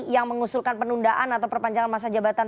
yang mengusulkan penundaan atau perpanjangan masa jabatan